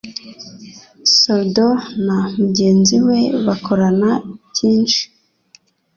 Soldo na mugenzi we bakorana byinshi